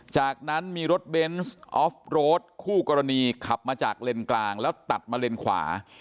จากนั้นมีรถเบนส์ออฟโรดคู่กรณีขับมาจากเลนกลางแล้วตัดมาเลนขวา